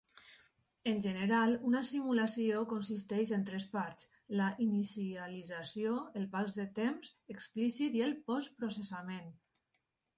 En general, una simulació consisteix en tres parts: la inicialització, el pas de temps explícit i el post-processament.